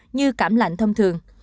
như cảm lạnh thông thường